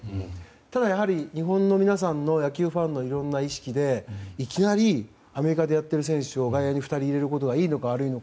ただ、やはり日本の皆さん野球ファンのいろんな意識でいきなりアメリカでやっている選手を外野に２人入れることがいいのか悪いのか。